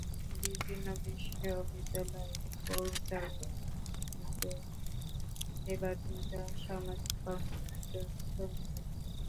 বিভিন্ন বিশ্ববিদ্যালয়ে প্রচারণা শেষে তাঁরা এবার দুজন সামাজিক কর্মকাণ্ডে অংশ নিলেন।